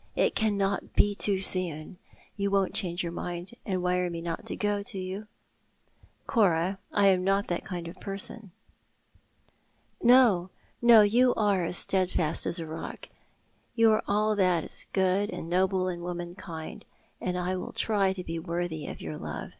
It cannot be too soon. You won't change your mind, and wire to me not to go to yon ?"" Cora, am I that kind of person ?"" No, no ; you are as steadfast as a rock. You are all that is good and noble in womankind, and I will try to bo worthy of your love.